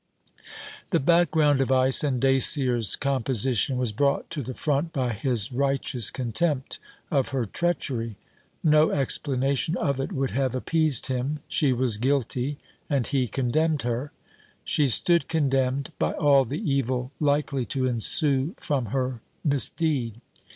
The background of ice in Dacier's composition was brought to the front by his righteous contempt of her treachery. No explanation of it would have appeased him. She was guilty, and he condemned her. She stood condemned by all the evil likely to ensue from her misdeed.